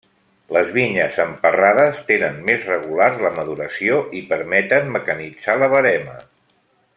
Les vinyes emparrades tenen més regular la maduració i permeten mecanitzar la verema.